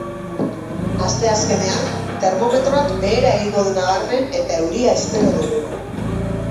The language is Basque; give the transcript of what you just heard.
Asteazkenean, termometroak behera egingo du nabarmen eta euria espero dugu.